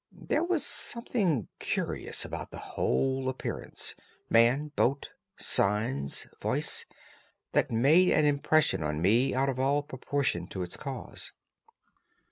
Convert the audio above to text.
There was something curious about the whole appearance—man, boat, signs, voice—that made an impression on me out of all proportion to its cause.